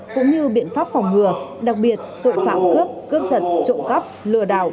cũng như biện pháp phòng ngừa đặc biệt tội phạm cướp cướp giật trộm cắp lừa đảo